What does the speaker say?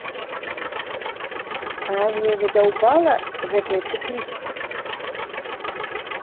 А не задзяўбала гэтая цыклічнасць?